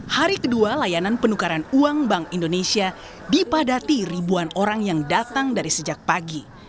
hari kedua layanan penukaran uang bank indonesia dipadati ribuan orang yang datang dari sejak pagi